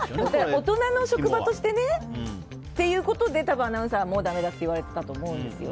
大人の職場ということで多分アナウンサーはだめだと言われてたと思うんですよ。